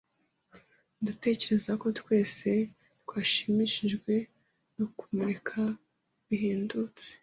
Ndatekereza ko twese twashimishijwe no kumureka bihendutse.